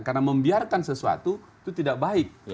karena membiarkan sesuatu itu tidak baik